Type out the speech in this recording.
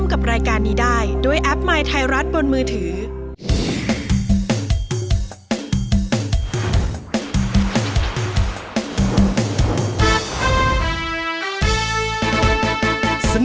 คุณล่ะโหลดหรือยัง